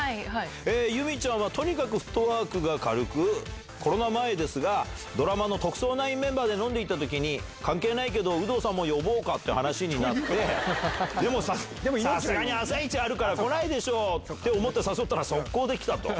由美ちゃんはとにかくフットワークが軽く、コロナ前ですが、ドラマの特捜９メンバーで飲んでいたときに、関係ないけど、有働さんも呼ぼうかって話になって、でも、さすがにあさイチあるから来ないでしょうって思って誘ったら、速攻で来たと。